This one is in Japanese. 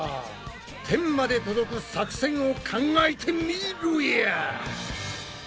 天まで届く作戦を考えてみろや！